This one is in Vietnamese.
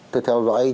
tôi theo dõi